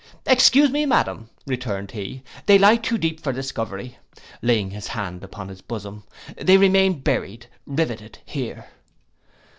'—'Excuse me, madam,' returned he, 'they lie too deep for discovery: (laying his hand upon his bosom) they remain buried, rivetted here.